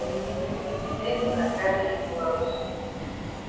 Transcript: Make wuna carry yi go haus.